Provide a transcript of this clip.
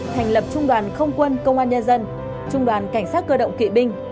thành lập trung đoàn không quân công an nhân dân trung đoàn cảnh sát cơ động kỵ binh